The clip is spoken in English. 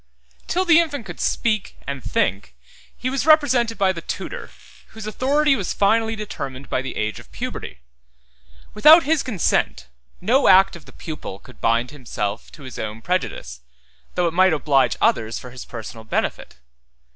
Till the infant could speak, and think, he was represented by the tutor, whose authority was finally determined by the age of puberty. Without his consent, no act of the pupil could bind himself to his own prejudice, though it might oblige others for his personal benefit.